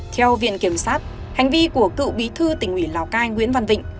theo viện kiểm sát hành vi của cựu bí thư tỉnh ubnd tỉnh lào cai nguyễn văn vịnh